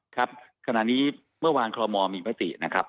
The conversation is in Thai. ครับขณะนี้เมื่อวานคอลโมมีมตินะครับ